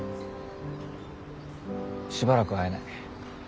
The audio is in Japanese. しばらく会えない。